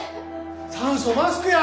酸素マスクや！